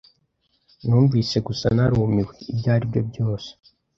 Numvise gusa narumiwe. Ibyo aribyo byose.